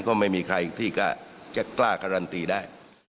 ก็ไม่มีใครที่จะกล้าการันตีได้